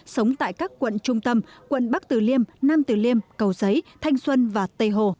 sống tại các quận trung tâm quận bắc từ liêm nam tử liêm cầu giấy thanh xuân và tây hồ